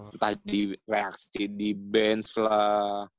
entah di reaksi di bench lah